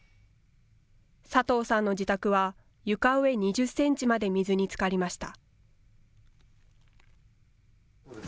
佐藤さんの自宅は、床上２０センチまで水につかりました。